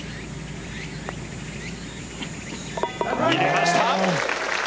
入れました！